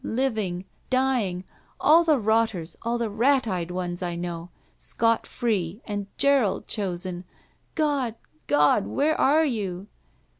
Living! Dying! All the rotters, all the rat eyed ones I know, scot free and Gerald chosen. God! God! where are you?"